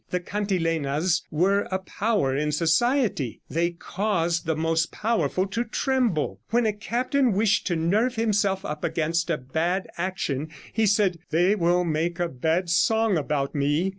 The cantilenas were a power in society; they caused the most powerful to tremble. When a captain wished to nerve himself up against a bad action he said, 'They will make a bad song about me.'